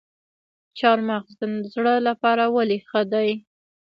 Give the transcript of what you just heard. چهارمغز د زړه لپاره ولې ښه دي؟